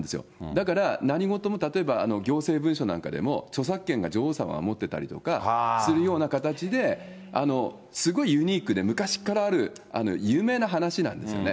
だから何事も、例えば行政文書なんかでも、著作権が女王様が持ってたりとかするような形で、すごいユニークで、昔からある有名な話なんですよね。